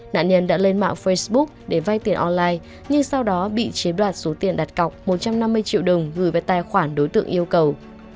nạn nhân đã lên mạng facebook để vay tiền online nhưng sau đó bị chiếm đoạt số tiền đặt cọc một trăm năm mươi triệu đồng gửi vào tài khoản đối tượng yêu cầu